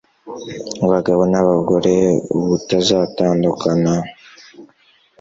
abagabo na bagore ubutazatandukana